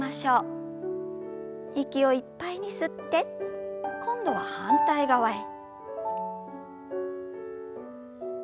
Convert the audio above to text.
息をいっぱいに吸って今度は反対側へ。